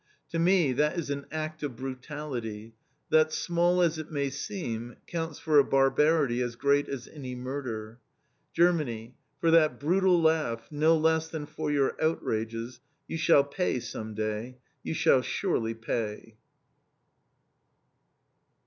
To me, that is an act of brutality, that, small as it may seem, counts for a barbarity as great as any murder. Germany, for that brutal laugh, no less than for your outrages, you shall pay some day, you shall surely pay!